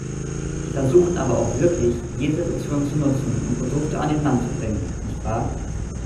Sie versuchen aber auch wirklich jede Situation zu nutzen, um Produkte an den Mann zu bringen, nicht wahr?